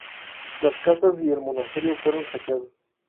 Las casas y el monasterio fueron saqueados.